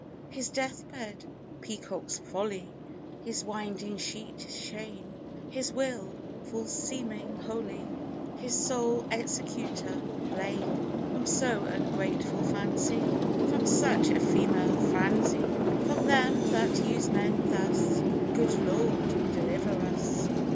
His death bed, peacock's folly; His winding sheet is shame; His will, false seeming holy; His sole executor, blame. From so ungrateful fancy, From such a female franzy, From them that use men thus, Good Lord, deliver us!